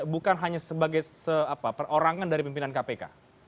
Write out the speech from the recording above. bukan hanya sebagai perorangan dari pimpinan kpk